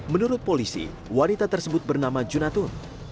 menurut polisi wanita tersebut bernama junatur